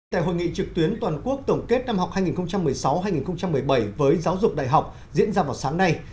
tại hội nghị trực tuyến toàn quốc tổng kết năm học hai nghìn một mươi sáu hai nghìn một mươi bảy với giáo dục đại học diễn ra vào sáng nay